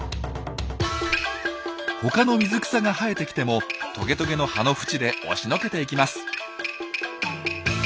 他の水草が生えてきてもトゲトゲの葉のふちで押しのけていきます！